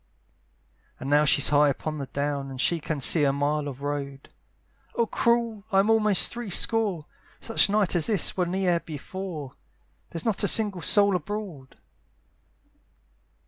And now she's high upon the down, And she can see a mile of road, "Oh cruel! I'm almost three score; "Such night as this was ne'er before, "There's not a single soul abroad."